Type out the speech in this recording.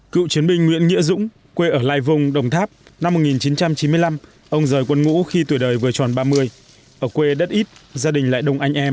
cựu chiến binh nguyễn nghĩa dũng quê ở lai vùng đồng tháp năm một nghìn chín trăm chín mươi năm ông rời quân ngũ khi tuổi đời vừa tròn ba mươi ở quê đất ít gia đình lại đông anh em